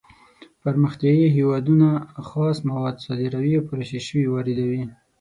پرمختیايي هېوادونه خام مواد صادروي او پروسس شوي واردوي.